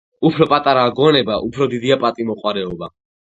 უფრო პატარაა გონება, უფრო დიდია პატივმოყვარეობა.